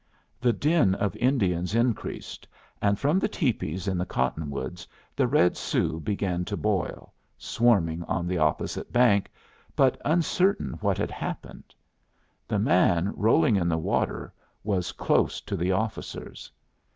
The din of Indians increased, and from the tepees in the cottonwoods the red Sioux began to boil, swarming on the opposite bank, but uncertain what had happened. The man rolling in the water was close to the officers.